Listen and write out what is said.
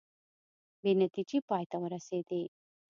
بې نتیجې پای ته ورسیدې